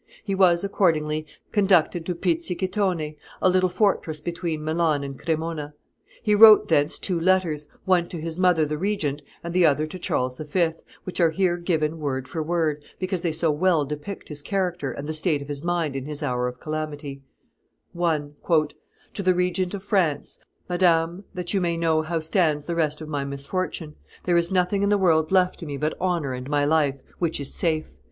He was, accordingly, conducted to Pizzighittone, a little fortress between Milan and Cremona. He wrote thence two letters, one to his mother the regent and the other to Charles V., which are here given word for word, because they so well depict his character and the state of his mind in his hour of calamity: 1. "To the Regent of France: Madame, that you may know how stands the rest of my misfortune: there is nothing in the world left to me but honor and my life, which is safe.